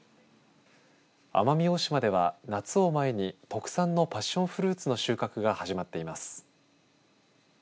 奄美大島では夏を前に特産のパッションフルーツの収穫が始まっています。